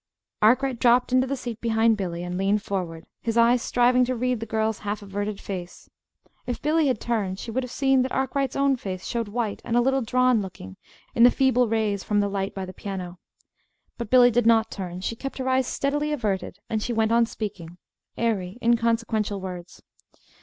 Arkwright dropped into the seat behind Billy and leaned forward, his eyes striving to read the girl's half averted face. If Billy had turned, she would have seen that Arkwright's own face showed white and a little drawn looking in the feeble rays from the light by the piano. But Billy did not turn. She kept her eyes steadily averted; and she went on speaking airy, inconsequential words.